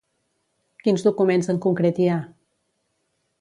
Quins documents en concret hi ha?